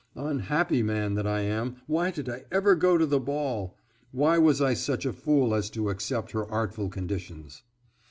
Unhappy man that I am, why did I ever go to the ball! Why was I such a fool as to accept her artful conditions?"